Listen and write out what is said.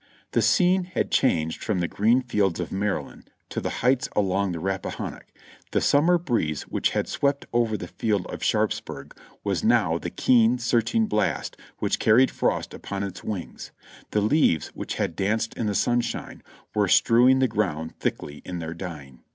The scene had changed from the green fields of Maryland to the heights along the Rappahannock ; the summer breeze which had swept over the field of Sharpsburg was now the keen, searching blast which carried frost upon its wings; the leaves which had danced in the sunshine were strewing the ground thickly in their dying.